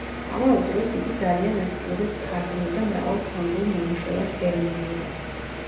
ამავე დროს იგი ძალიან აქტიურად თარგმნიდა მრავალ ფრანგულ ნამუშევარს გერმანულად.